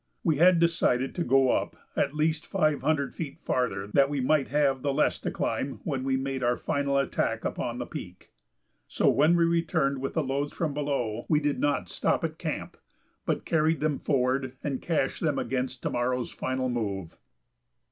We had decided to go up at least five hundred feet farther that we might have the less to climb when we made our final attack upon the peak. So when we returned with the loads from below we did not stop at camp, but carried them forward and cached them against to morrow's final move.